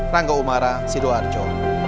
rangga umara sidoarjo